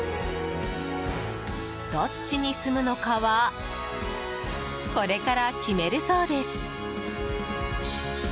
どっちに住むのかはこれから決めるそうです。